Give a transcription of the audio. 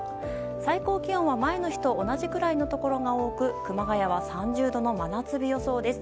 最高気温は、前の日と同じくらいのところが多く熊谷は３０度の真夏日予想です。